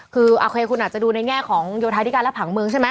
คืออาคเกษย์คุณอาจจะดูในแง่